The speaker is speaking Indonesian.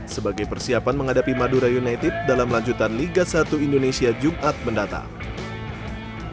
sebagai persiapan menghadapi madura united dalam lanjutan liga satu indonesia jumat mendatang